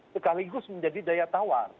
sekaligus menjadi daya tawar